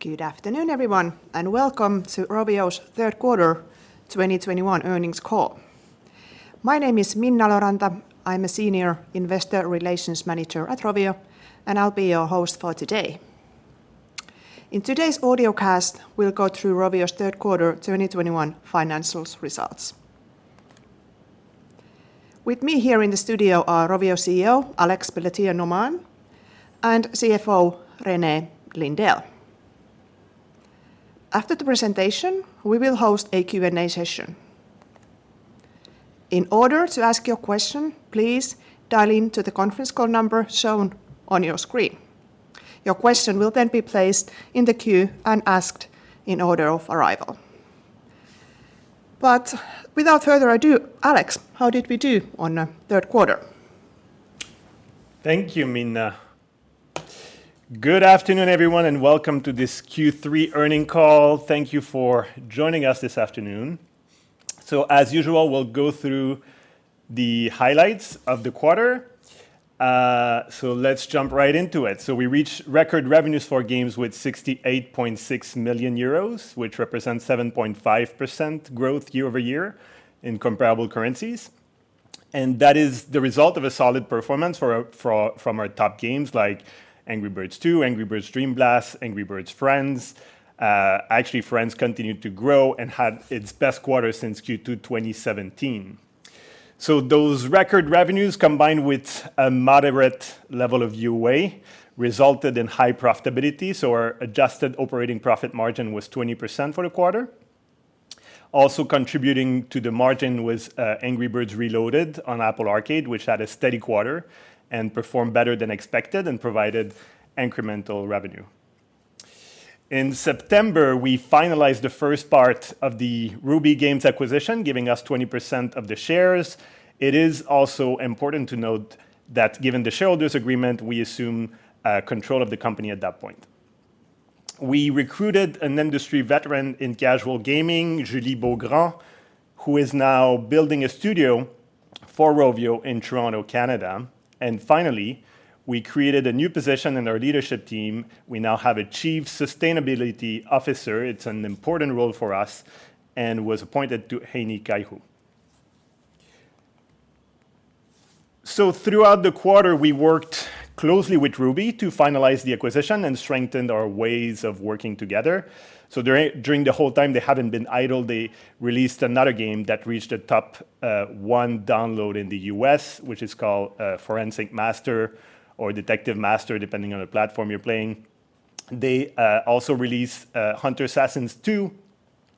Good afternoon, everyone, and Welcome to Rovio's Q3 2021 Earnings Call. My name is Minna Loranta. I'm a Senior Investor Relations Manager at Rovio, and I'll be your host for today. In today's audiocast, we'll go through Rovio's Q3 2021 financial results. With me here in the studio are Rovio CEO Alexandre Pelletier-Normand and CFO René Lindell. After the presentation, we will host a Q&A session. In order to ask your question, please dial into the conference call number shown on your screen. Your question will then be placed in the queue and asked in order of arrival. Without further ado, Alex, how did we do on Q3? Thank you, Minna. Good afternoon, everyone, and welcome to this Q3 earnings call. Thank you for joining us this afternoon. As usual, we'll go through the highlights of the quarter. Let's jump right into it. We reached record revenues for games with 68.6 million euros, which represents 7.5% growth year-over-year in comparable currencies. That is the result of a solid performance from our top games like Angry Birds 2, Angry Birds Dream Blast, Angry Birds Friends. Actually, Friends continued to grow and had its best quarter since Q2 2017. Those record revenues, combined with a moderate level of UA, resulted in high profitability, so our adjusted operating profit margin was 20% for the quarter. Also contributing to the margin was Angry Birds Reloaded on Apple Arcade, which had a steady quarter and performed better than expected and provided incremental revenue. In September, we finalized the first part of the Ruby Games acquisition, giving us 20% of the shares. It is also important to note that given the shareholders' agreement, we assume control of the company at that point. We recruited an industry veteran in casual gaming, Julie Beaugrand, who is now building a studio for Rovio in Toronto, Canada. Finally, we created a new position in our leadership team. We now have a Chief Sustainability Officer. It's an important role for us and was appointed to Heini Kaihu. Throughout the quarter, we worked closely with Ruby to finalize the acquisition and strengthened our ways of working together. During the whole time, they haven't been idle. They released another game that reached the top one download in the U.S., which is called Forensic Master or Detective Master, depending on the platform you're playing. They also released Hunter Assassin 2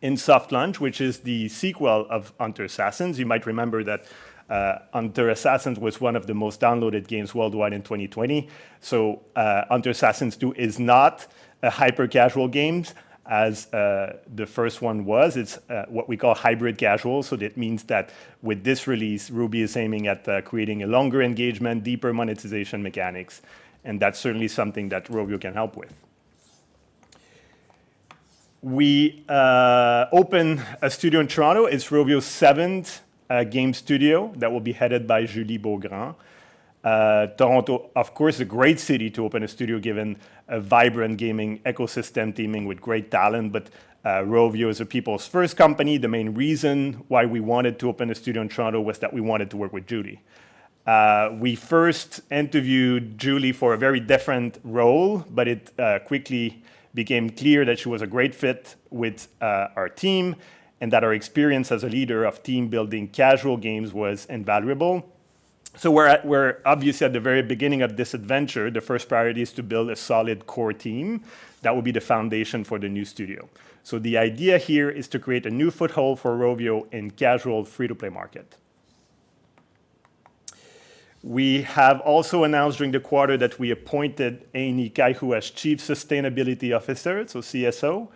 in soft launch, which is the sequel of Hunter Assassin. You might remember that Hunter Assassin was one of the most downloaded games worldwide in 2020. Hunter Assassin 2 is not a hyper-casual game as the first one was. It's what we call hybrid casual. That means that with this release, Ruby is aiming at creating a longer engagement, deeper monetization mechanics, and that's certainly something that Rovio can help with. We opened a studio in Toronto. It's Rovio's seventh game studio that will be headed by Julie Beaugrand. Toronto, of course, a great city to open a studio given a vibrant gaming ecosystem teeming with great talent. Rovio is a people's first company. The main reason why we wanted to open a studio in Toronto was that we wanted to work with Julie. We first interviewed Julie for a very different role, but it quickly became clear that she was a great fit with our team and that her experience as a leader of team building casual games was invaluable. We're obviously at the very beginning of this adventure. The first priority is to build a solid core team that will be the foundation for the new studio. The idea here is to create a new foothold for Rovio in casual free-to-play market. We have also announced during the quarter that we appointed Heini Kaihu as Chief Sustainability Officer, so CSO.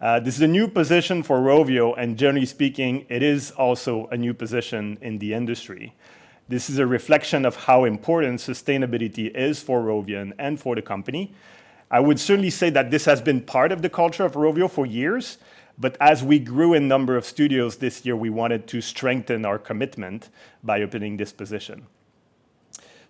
This is a new position for Rovio, and generally speaking, it is also a new position in the industry. This is a reflection of how important sustainability is for Rovio and for the company. I would certainly say that this has been part of the culture of Rovio for years, but as we grew in number of studios this year, we wanted to strengthen our commitment by opening this position.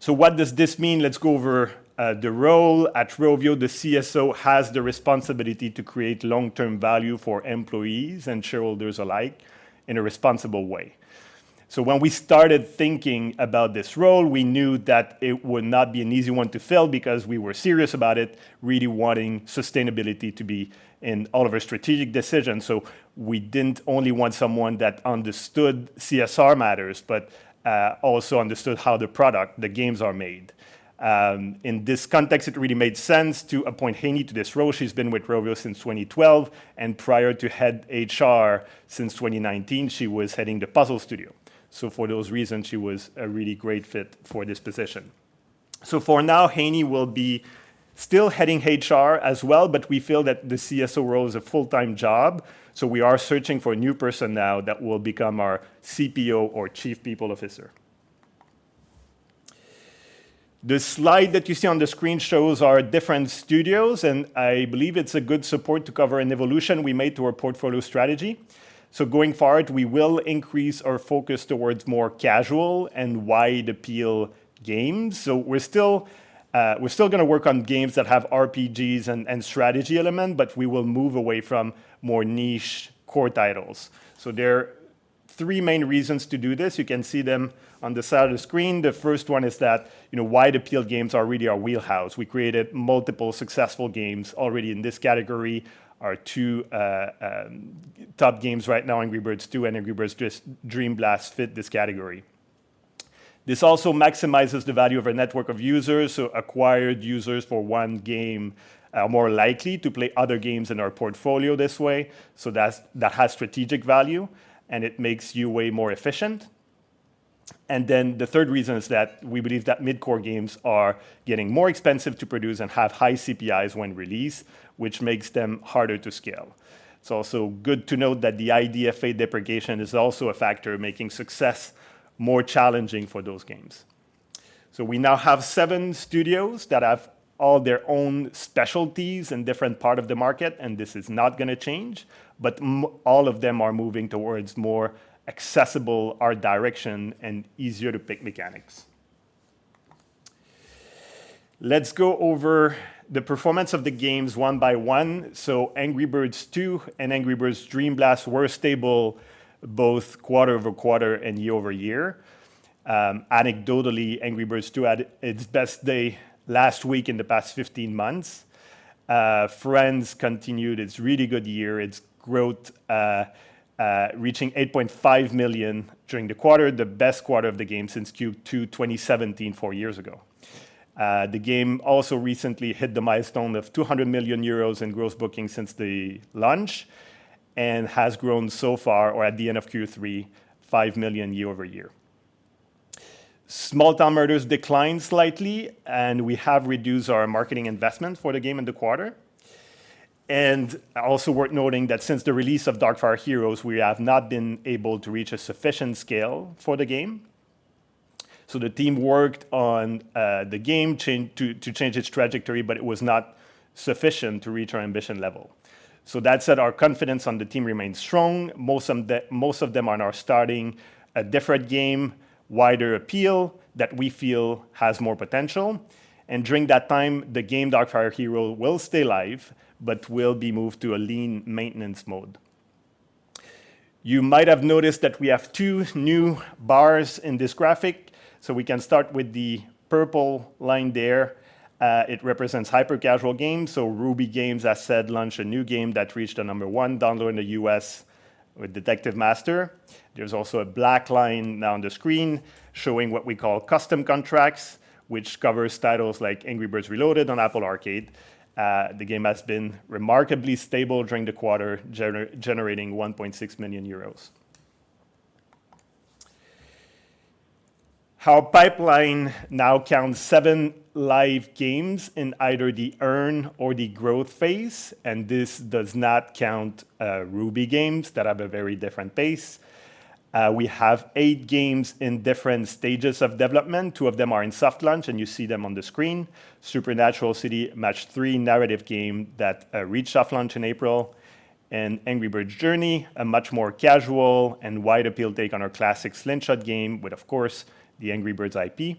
What does this mean? Let's go over the role. At Rovio, the CSO has the responsibility to create long-term value for employees and shareholders alike in a responsible way. When we started thinking about this role, we knew that it would not be an easy one to fill because we were serious about it, really wanting sustainability to be in all of our strategic decisions. We didn't only want someone that understood CSR matters but also understood how the product, the games are made. In this context, it really made sense to appoint Heini to this role. She's been with Rovio since 2012, and prior to heading HR since 2019, she was heading the Puzzle Studio. For those reasons, she was a really great fit for this position. For now, Heini will be still heading HR as well, but we feel that the CSO role is a full-time job, so we are searching for a new person now that will become our CPO or Chief People Officer. The slide that you see on the screen shows our different studios, and I believe it's a good support to cover an evolution we made to our portfolio strategy. Going forward, we will increase our focus towards more casual and wide appeal games. We're still gonna work on games that have RPGs and strategy element, but we will move away from more niche core titles. There are three main reasons to do this. You can see them on the side of the screen. The first one is that, you know, wide appeal games are really our wheelhouse. We created multiple successful games already in this category. Our two top games right now, Angry Birds 2 and Angry Birds Dream Blast, fit this category. This also maximizes the value of our network of users, so acquired users for one game are more likely to play other games in our portfolio this way. That has strategic value, and it makes you way more efficient. The third reason is that we believe that mid-core games are getting more expensive to produce and have high CPIs when released, which makes them harder to scale. It's also good to note that the IDFA deprecation is also a factor making success more challenging for those games. We now have seven studios that have all their own specialties in different part of the market, and this is not gonna change, but all of them are moving towards more accessible art direction and easier-to-pick mechanics. Let's go over the performance of the games one by one. Angry Birds 2 and Angry Birds Dream Blast were stable both quarter-over-quarter and year-over-year. Anecdotally, Angry Birds 2 had its best day last week in the past 15 months. Friends continued its really good year, its growth reaching 8.5 million during the quarter, the best quarter of the game since Q2 2017, four years ago. The game also recently hit the milestone of 200 million euros in gross bookings since the launch and has grown so far, or at the end of Q3, 5 million year-over-year. Small Town Murders declined slightly, and we have reduced our marketing investment for the game in the quarter. Also worth noting that since the release of Darkfire Heroes, we have not been able to reach a sufficient scale for the game. The team worked on the game, change, to change its trajectory, but it was not sufficient to reach our ambition level. That said, our confidence on the team remains strong. Most of them are now starting a different game, wider appeal, that we feel has more potential. During that time, the game Darkfire Heroes will stay live but will be moved to a lean maintenance mode. You might have noticed that we have two new bars in this graphic. We can start with the purple line there. It represents hyper-casual games. Ruby Games, as said, launched a new game that reached the number one download in the U.S. with Detective Master. There's also a black line now on the screen showing what we call custom contracts, which covers titles like Angry Birds Reloaded on Apple Arcade. The game has been remarkably stable during the quarter, generating 1.6 million euros. Our pipeline now counts seven live games in either the earn or the growth phase, and this does not count Ruby Games that have a very different pace. We have eight games in different stages of development. Two of them are in soft launch, and you see them on the screen. Supernatural City, match three narrative game that reached soft launch in April, and Angry Birds Journey, a much more casual and wide appeal take on our classic slingshot game with, of course, the Angry Birds IP.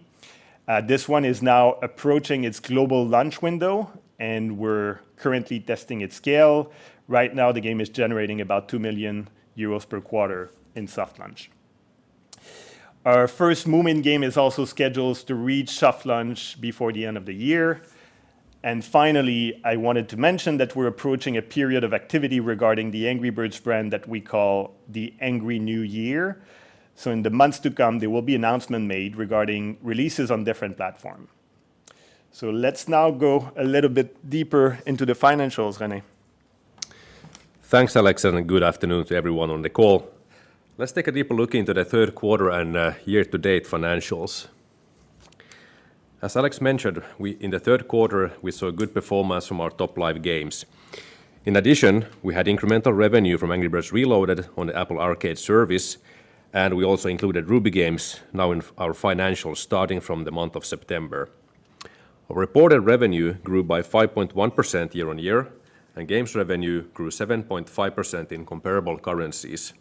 This one is now approaching its global launch window, and we're currently testing its scale. Right now, the game is generating about 2 million euros per quarter in soft launch. Our first Moomin game is also scheduled to reach soft launch before the end of the year. Finally, I wanted to mention that we're approaching a period of activity regarding the Angry Birds brand that we call the Angry New Year. In the months to come, there will be an announcement made regarding releases on different platforms. Let's now go a little bit deeper into the financials, René. Thanks, Alex, and good afternoon to everyone on the call. Let's take a deeper look into the Q3 and year-to-date financials. As Alex mentioned, we, in the Q3, we saw good performance from our top live games. In addition, we had incremental revenue from Angry Birds Reloaded on the Apple Arcade service, and we also included Ruby Games now in our financials starting from the month of September. Our reported revenue grew by 5.1% year-on-year, and games revenue grew 7.5% in comparable currencies.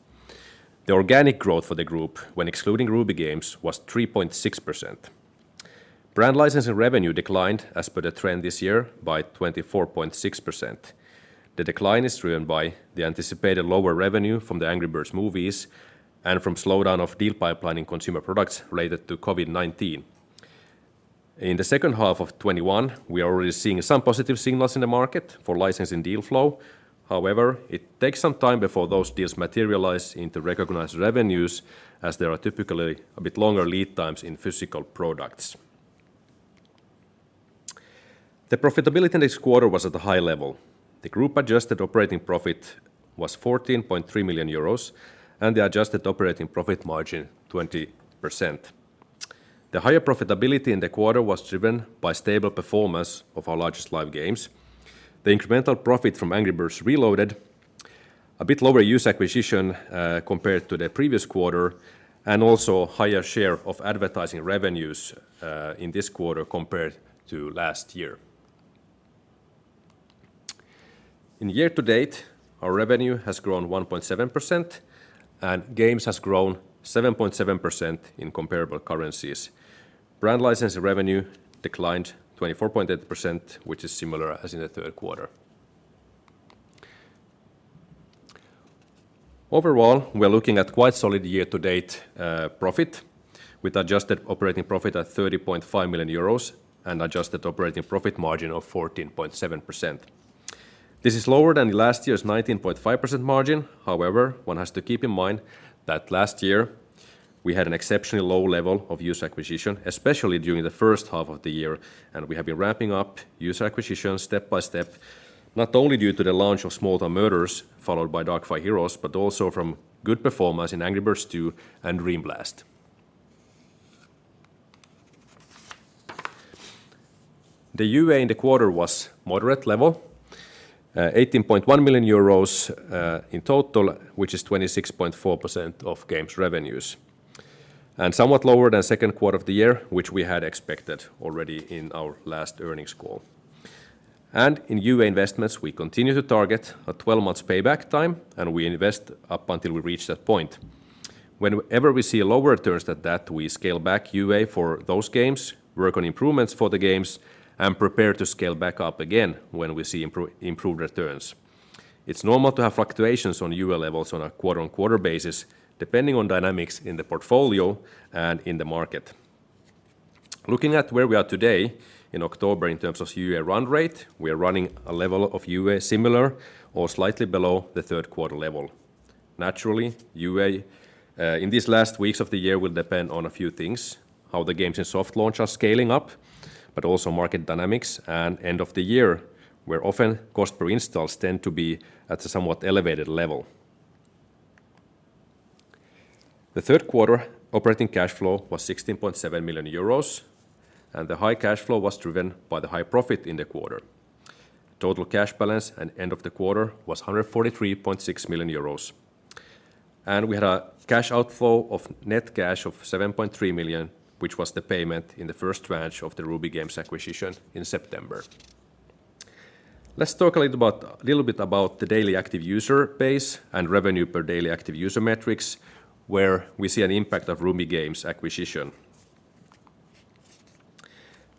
The organic growth for the group, when excluding Ruby Games, was 3.6%. Brand licensing revenue declined as per the trend this year by 24.6%. The decline is driven by the anticipated lower revenue from the Angry Birds movies and from slowdown of deal pipeline in consumer products related to COVID-19. In the second half of 2021, we are already seeing some positive signals in the market for licensing deal flow. However, it takes some time before those deals materialize into recognized revenues, as there are typically a bit longer lead times in physical products. The profitability this quarter was at a high level. The group adjusted operating profit was 14.3 million euros, and the adjusted operating profit margin 20%. The higher profitability in the quarter was driven by stable performance of our largest live games, the incremental profit from Angry Birds Reloaded, a bit lower user acquisition compared to the previous quarter, and also higher share of advertising revenues in this quarter compared to last year. In year-to-date, our revenue has grown 1.7%, and Games has grown 7.7% in comparable currencies. Brand license revenue declined 24.8%, which is similar as in the Q3. Overall, we are looking at quite solid year-to-date profit with adjusted operating profit at 30.5 million euros and adjusted operating profit margin of 14.7%. This is lower than last year's 19.5% margin. However, one has to keep in mind that last year we had an exceptionally low level of user acquisition, especially during the first half of the year, and we have been ramping up user acquisition step by step, not only due to the launch of Small Town Murders followed by Darkfire Heroes, but also from good performance in Angry Birds 2 and Dream Blast. The UA in the quarter was moderate level, 18.1 million euros in total, which is 26.4% of games revenues. Somewhat lower than Q2 of the year, which we had expected already in our last earnings call. In UA investments, we continue to target a 12-month payback time, and we invest up until we reach that point. Whenever we see lower returns than that, we scale back UA for those games, work on improvements for the games, and prepare to scale back up again when we see improved returns. It's normal to have fluctuations on UA levels on a quarter-on-quarter basis, depending on dynamics in the portfolio and in the market. Looking at where we are today in October in terms of UA run rate, we are running a level of UA similar or slightly below the Q3 level. Naturally, UA in these last weeks of the year will depend on a few things, how the games in soft launch are scaling up, but also market dynamics and end of the year, where often cost per installs tend to be at a somewhat elevated level. The Q3 operating cash flow was 16.7 million euros, and the high cash flow was driven by the high profit in the quarter. Total cash balance at end of the quarter was 143.6 million euros. We had a cash outflow of net cash of 7.3 million, which was the payment in the first tranche of the Ruby Games acquisition in September. Let's talk a little bit about the daily active user base and revenue per daily active user metrics, where we see an impact of Ruby Games acquisition.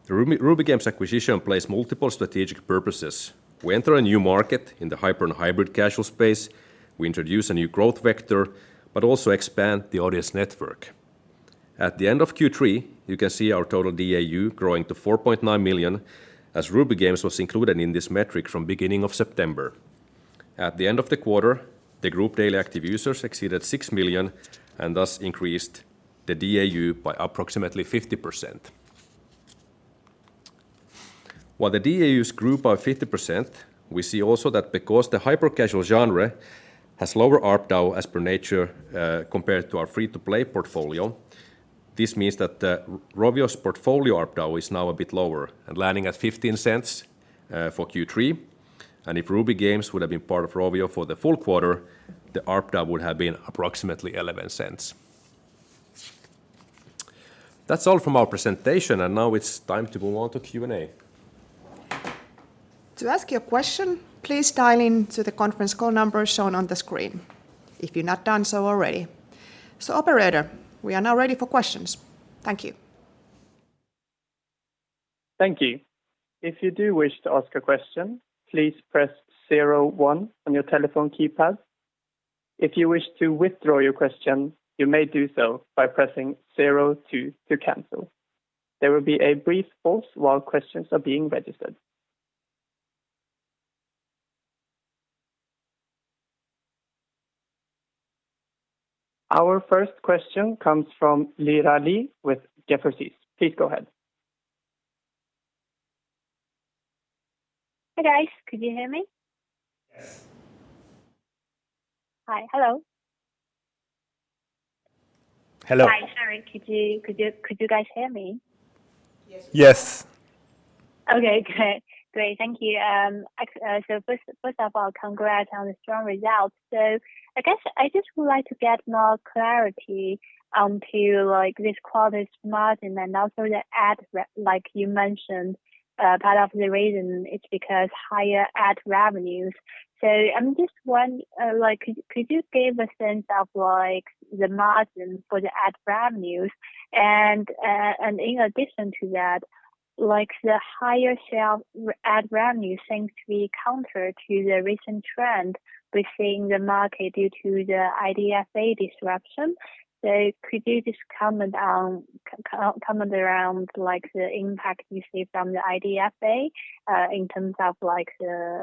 The Ruby Games acquisition plays multiple strategic purposes. We enter a new market in the hyper and hybrid casual space. We introduce a new growth vector but also expand the audience network. At the end of Q3, you can see our total DAU growing to 4.9 million as Ruby Games was included in this metric from beginning of September. At the end of the quarter, the group daily active users exceeded six million and thus increased the DAU by approximately 50%. While the DAUs grew by 50%, we see also that because the hyper-casual genre has lower ARPDAU as per nature, compared to our free-to-play portfolio, this means that, Rovio's portfolio ARPDAU is now a bit lower and landing at 0.15 for Q3. If Ruby Games would have been part of Rovio for the full quarter, the ARPDAU would have been approximately 0.11. That's all from our presentation, and now it's time to move on to Q&A. To ask your question, please dial in to the conference call number shown on the screen if you've not done so already. Operator, we are now ready for questions. Thank you. Thank you. If you do wish to ask a question, please press zero one on your telephone keypad. If you wish to withdraw your question, you may do so by pressing 02 to cancel. There will be a brief pause while questions are being registered. Our first question comes from Lila Li with Jefferies. Please go ahead. Hi, guys. Could you hear me? Hi. Hello? Hello. Hi. Sorry. Could you guys hear me? Yes. Okay, great. Thank you. First of all, congrats on the strong results. I guess I just would like to get more clarity onto, like, this quarter's margin and also the ad revenues like you mentioned, part of the reason is because higher ad revenues. I'm just like, could you give a sense of, like, the margin for the ad revenues? In addition to that, like, the higher ad revenue seems to be counter to the recent trend we're seeing in the market due to the IDFA disruption. Could you just comment on, like, the impact you see from the IDFA in terms of, like, the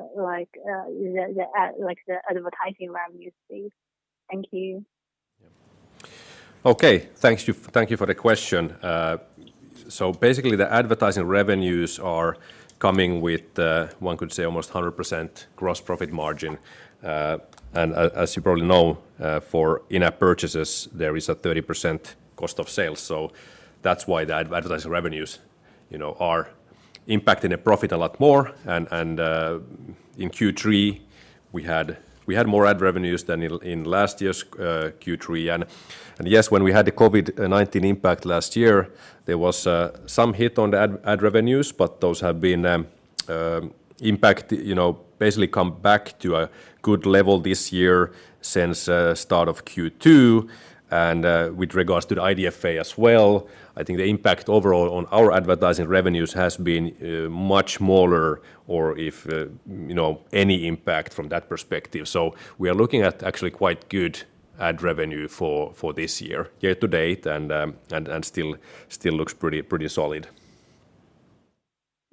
advertising revenues please? Thank you. Okay. Thank you for the question. Basically, the advertising revenues are coming with one could say almost 100% gross profit margin. As you probably know, for in-app purchases, there is a 30% cost of sales. That's why the advertising revenues, you know, are impacting the profit a lot more. In Q3 we had more ad revenues than in last year's Q3. Yes, when we had the COVID-19 impact last year, there was some hit on the ad revenues, but those, you know, basically come back to a good level this year since start of Q2 with regards to the IDFA as well, I think the impact overall on our advertising revenues has been much smaller or if, you know, any impact from that perspective. We are looking at actually quite good ad revenue for this year to date, and still looks pretty solid.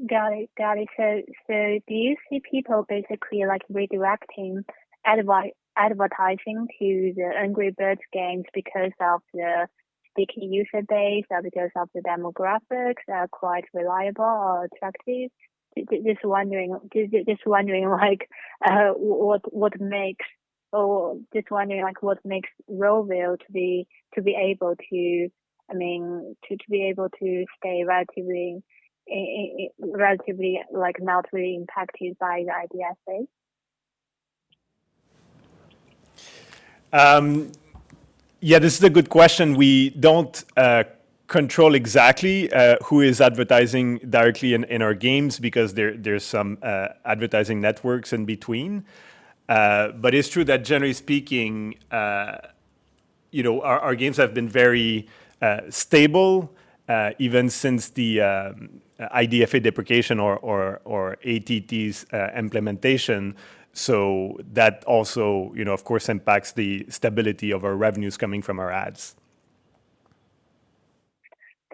Got it. Do you see people basically like redirecting advertising to the Angry Birds games because of the big user base or because of the demographics are quite reliable or attractive? Just wondering like what makes Rovio able to, I mean, to be able to stay relatively like not really impacted by the IDFA? Yeah, this is a good question. We don't control exactly who is advertising directly in our games because there's some advertising networks in between. It's true that generally speaking, you know, our games have been very stable even since the IDFA deprecation or ATT's implementation. That also, you know, of course, impacts the stability of our revenues coming from our ads.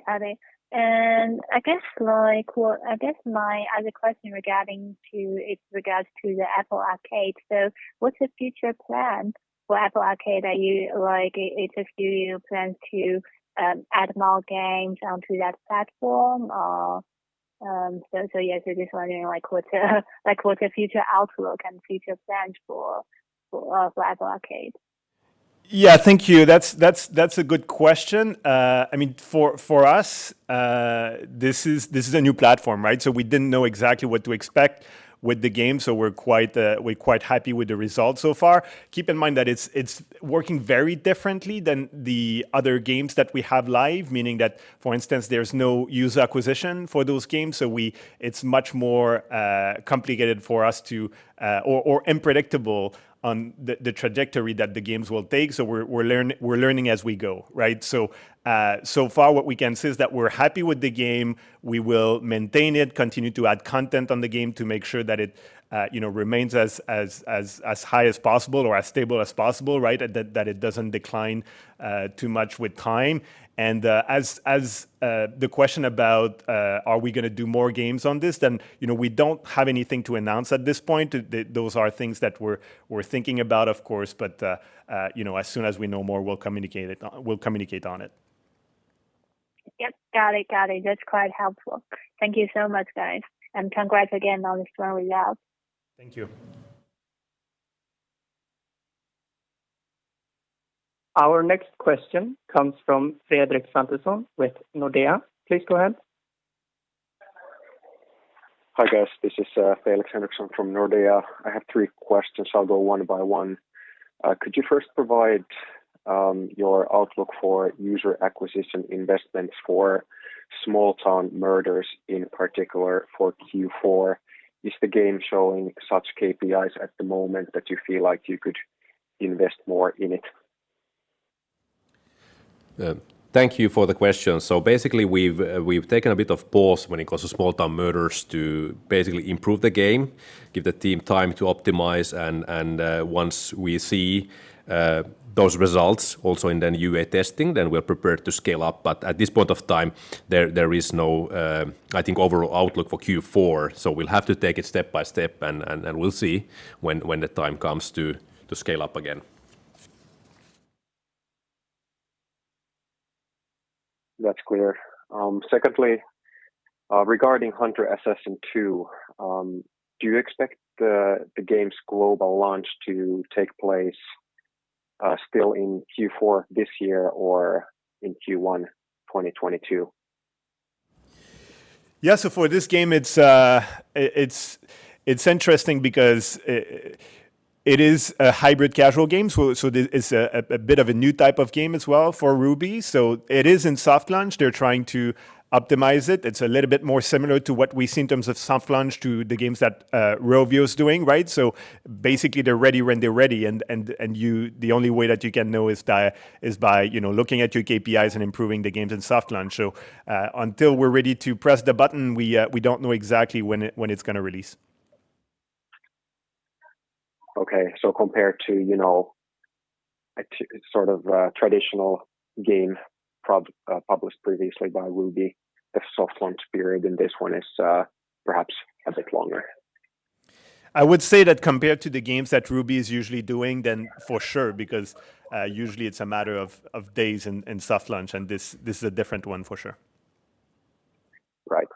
Got it. I guess my other question regarding it regards to Apple Arcade. What's the future plan for Apple Arcade? Do you plan to add more games onto that platform or? Yes, we're just wondering like what's the future outlook and future plan for Apple Arcade? Yeah. Thank you. That's a good question. I mean, for us, this is a new platform, right? We didn't know exactly what to expect with the game, so we're quite happy with the results so far. Keep in mind that it's working very differently than the other games that we have live. Meaning that, for instance, there's no user acquisition for those games. It's much more complicated for us to, or unpredictable on the trajectory that the games will take. We're learning as we go, right? So far what we can say is that we're happy with the game. We will maintain it, continue to add content on the game to make sure that it remains as high as possible or as stable as possible, right? That it doesn't decline too much with time. As the question about are we gonna do more games on this, then we don't have anything to announce at this point. Those are things that we're thinking about, of course. As soon as we know more, we'll communicate on it. Yep. Got it. That's quite helpful. Thank you so much, guys. Congrats again on the strong results. Thank you. Our next question comes from Fredrik Sandesson with Nordea. Please go ahead. Hi, guys. This is Fredrik Sandesson from Nordea. I have three questions. I'll go one by one. Could you first provide your outlook for user acquisition investments for Small Town Murders, in particular for Q4? Is the game showing such KPIs at the moment that you feel like you could invest more in it? Thank you for the question. Basically, we've taken a bit of pause when it comes to Small Town Murders to basically improve the game, give the team time to optimize and once we see those results also in the UA testing, then we're prepared to scale up. At this point of time, there is no, I think, overall outlook for Q4. We'll have to take it step by step and we'll see when the time comes to scale up again. That's clear. Secondly, regarding Hunter Assassin 2, do you expect the game's global launch to take place still in Q4 this year or in Q1 2022? For this game, it's interesting because it is a hybrid casual game. It's a bit of a new type of game as well for Ruby. It is in soft launch. They're trying to optimize it. It's a little bit more similar to what we see in terms of soft launch to the games that Rovio is doing, right? Basically, they're ready when they're ready and the only way that you can know is by you know, looking at your KPIs and improving the games in soft launch. Until we're ready to press the button, we don't know exactly when it's gonna release. Compared to, you know, sort of a traditional game published previously by Ruby, the soft launch period in this one is, perhaps a bit longer. I would say that compared to the games that Ruby is usually doing, then for sure, because usually it's a matter of days in soft launch, and this is a different one for sure. Right.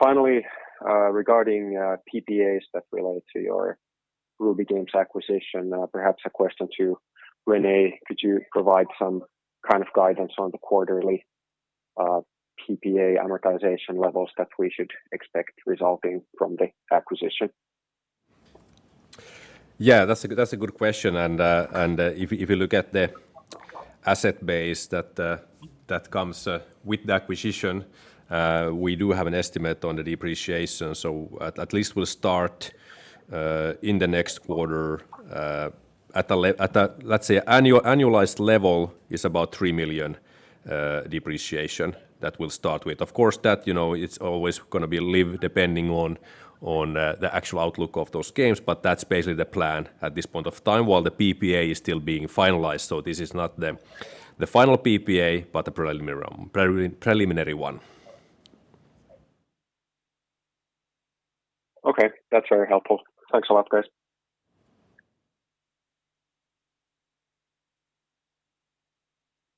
Finally, regarding PPAs that related to your Ruby Games acquisition, perhaps a question to René. Could you provide some kind of guidance on the quarterly PPA amortization levels that we should expect resulting from the acquisition? Yeah, that's a good question. If you look at the asset base that comes with the acquisition, we do have an estimate on the depreciation. At least we'll start in the next quarter at a let's say annualized level is about 3 million depreciation that we'll start with. Of course, that, you know, it's always gonna be live depending on the actual outlook of those games. That's basically the plan at this point of time, while the PPA is still being finalized. This is not the final PPA, but the preliminary one. Okay. That's very helpful. Thanks a lot, guys.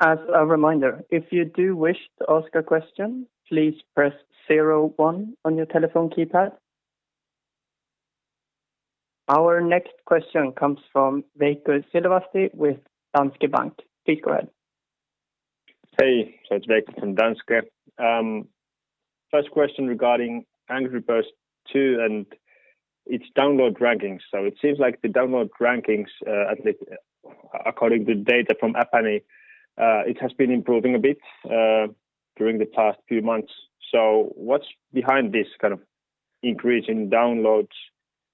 As a reminder, if you do wish to ask a question, please press zero one on your telephone keypad. Our next question comes from Veiko Silvast with Danske Bank. Please go ahead. Hey, it's Veiko from Danske. First question regarding Angry Birds 2 and its download rankings. It seems like the download rankings, at least according to data from App Annie, it has been improving a bit during the past few months. What's behind this kind of increase in downloads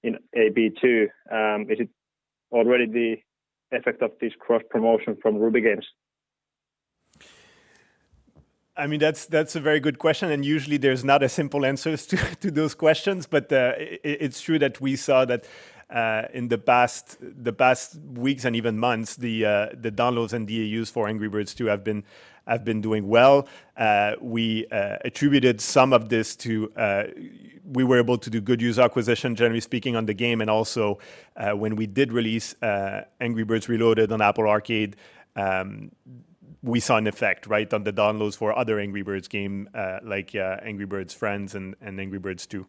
in AB 2? Is it already the effect of this cross promotion from Ruby Games? I mean, that's a very good question, and usually there's not a simple answer to those questions. It's true that we saw that in the past weeks and even months, the downloads and DAUs for Angry Birds 2 have been doing well. We attributed some of this to we were able to do good user acquisition, generally speaking, on the game. Also, when we did release Angry Birds Reloaded on Apple Arcade, we saw an effect, right, on the downloads for other Angry Birds game, like Angry Birds Friends and Angry Birds 2.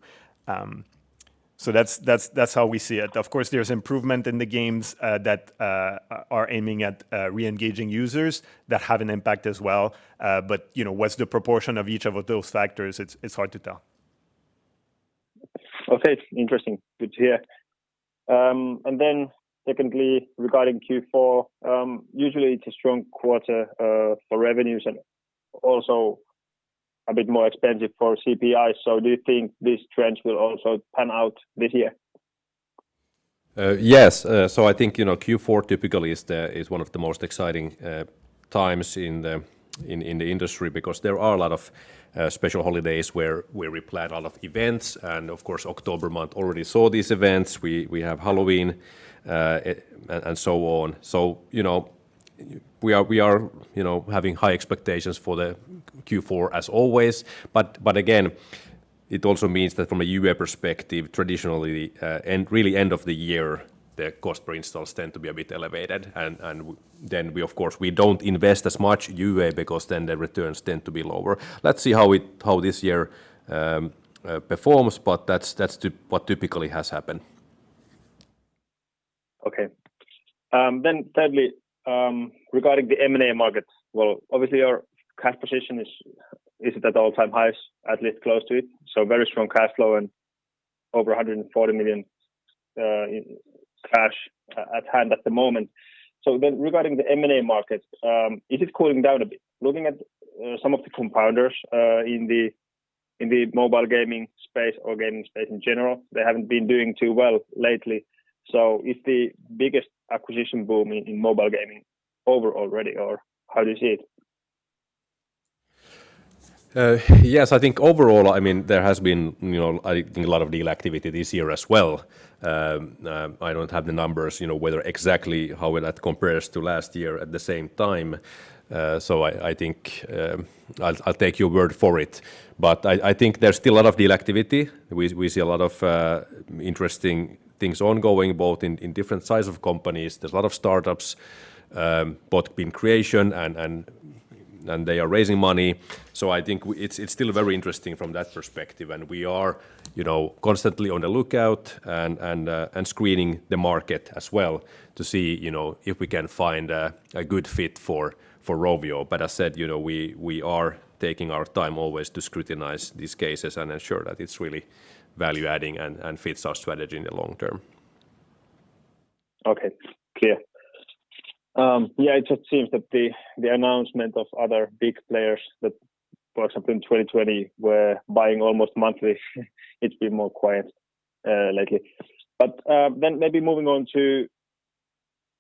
That's how we see it. Of course, there's improvement in the games that are aiming at re-engaging users that have an impact as well. You know, what's the proportion of each of those factors? It's, it's hard to tell. Okay. Interesting. Good to hear. Secondly, regarding Q4, usually it's a strong quarter, for revenues and also a bit more expensive for CPI. Do you think this trend will also pan out this year? Yes. I think, you know, Q4 typically is one of the most exciting times in the industry because there are a lot of special holidays where we plan a lot of events. Of course, October month already saw these events. We have Halloween and so on. You know, we are, you know, having high expectations for the Q4 as always. Again, it also means that from a UA perspective, traditionally, and really end of the year, the cost per installs tend to be a bit elevated. Then we of course don't invest as much UA because then the returns tend to be lower. Let's see how this year performs, that's what typically has happened. Okay. Thirdly, regarding the M&A market, well, obviously our cash position is at all-time highs, at least close to it. Very strong cash flow and over 140 million in cash at hand at the moment. Regarding the M&A market, is it cooling down a bit? Looking at some of the compounders in the mobile gaming space or gaming space in general, they haven't been doing too well lately. Is the biggest acquisition boom in mobile gaming over already, or how do you see it? Yes, I think overall, I mean, there has been, you know, I think a lot of deal activity this year as well. I don't have the numbers, you know, whether exactly how that compares to last year at the same time. I think I'll take your word for it. I think there's still a lot of deal activity. We see a lot of interesting things ongoing, both in different size of companies. There's a lot of startups, both in creation and they are raising money. I think it's still very interesting from that perspective. We are, you know, constantly on the lookout and screening the market as well to see, you know, if we can find a good fit for Rovio. As said, you know, we are taking our time always to scrutinize these cases and ensure that it's really value-adding and fits our strategy in the long term. Okay. Clear. Yeah, it just seems that the announcement of other big players that, for example, in 2020 were buying almost monthly, it's been more quiet lately. Then maybe moving on to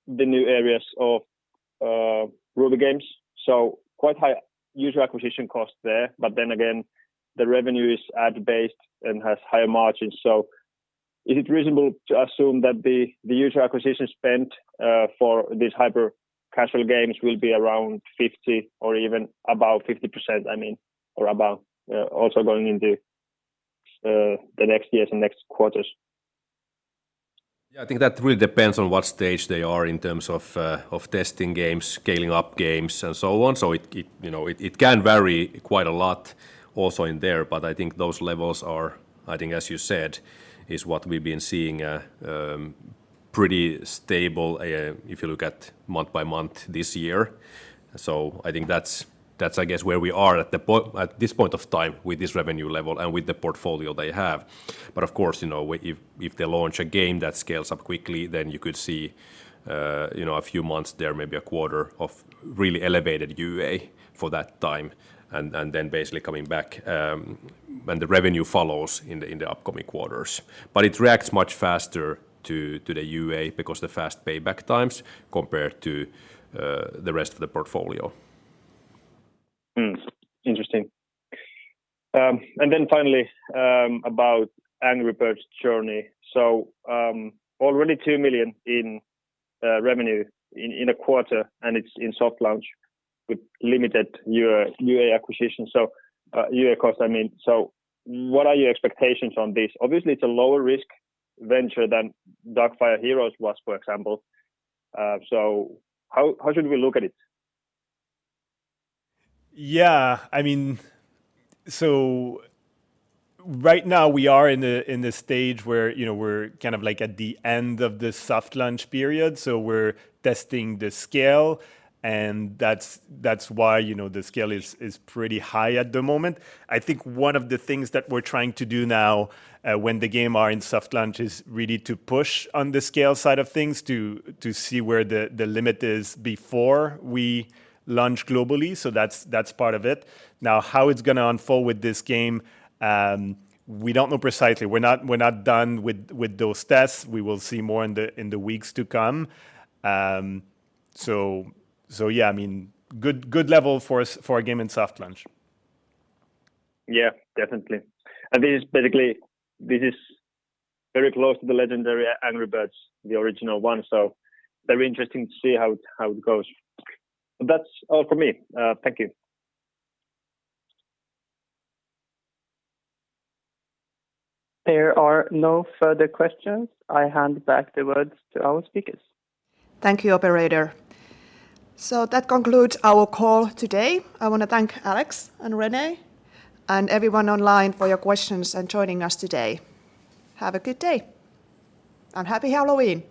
the new areas of Ruby Games, quite high user acquisition costs there, but then again, the revenue is ad-based and has higher margins. Is it reasonable to assume that the user acquisition spend for these hyper-casual games will be around 50% or even above 50%, I mean, or above, also going into the next years and next quarters? I think that really depends on what stage they are in terms of testing games, scaling up games, and so on. It, you know, it can vary quite a lot also in there, but I think those levels are, I think as you said, is what we've been seeing. Pretty stable, if you look at month-by-month this year. I think that's I guess where we are at this point of time with this revenue level and with the portfolio they have. Of course, you know, if they launch a game that scales up quickly, then you could see, you know, a few months there, maybe a quarter of really elevated UA for that time and then basically coming back when the revenue follows in the upcoming quarters. It reacts much faster to the UA because the fast payback times compared to the rest of the portfolio. Interesting. Finally, about Angry Birds Journey. Already 2 million in revenue in a quarter, and it's in soft launch with limited UA cost, I mean. What are your expectations on this? Obviously, it's a lower risk venture than Darkfire Heroes was, for example. How should we look at it? Yeah, I mean, right now we are in the stage where, you know, we're kind of like at the end of the soft launch period, so we're testing the scale, and that's why, you know, the scale is pretty high at the moment. I think one of the things that we're trying to do now, when the game is in soft launch is really to push on the scale side of things to see where the limit is before we launch globally. That's part of it. Now, how it's gonna unfold with this game, we don't know precisely. We're not done with those tests. We will see more in the weeks to come. So yeah, I mean, good level for a game in soft launch. Yeah, definitely. This is very close to the legendary Angry Birds, the original one. Very interesting to see how it goes. That's all for me. Thank you. There are no further questions. I hand back the words to our speakers. Thank you, operator. That concludes our call today. I want to thank Alex and René and everyone online for your questions and joining us today. Have a good day, and Happy Halloween.